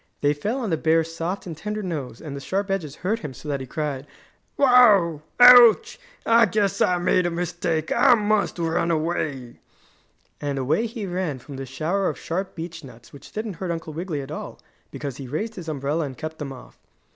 They fell on the bear's soft and tender nose and the sharp edges hurt him so that he cried: "Wow! Ouch! I guess I made a mistake! I must run away!" And away he ran from the shower of sharp beech nuts which didn't hurt Uncle Wiggily at all because he raised his umbrella and kept them off.